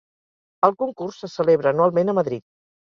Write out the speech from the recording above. El concurs se celebra anualment a Madrid.